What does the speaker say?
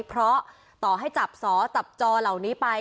เพราะต่อให้จับสอจับจอเหล่านี้ไป